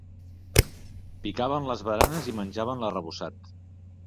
Picaven les baranes i menjaven l'arrebossat.